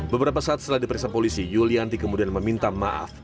beberapa saat setelah diperiksa polisi yulianti kemudian meminta maaf